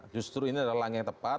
justru ini adalah langkah yang tepat